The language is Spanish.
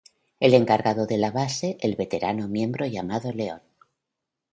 El encargado de la base el veterano miembro llamado Leon.